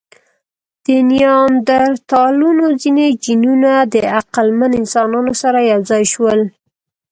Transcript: د نیاندرتالانو ځینې جینونه د عقلمن انسانانو سره یو ځای شول.